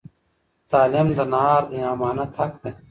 تعلیم د نهار د امانت حق دی.